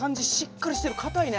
かたいね。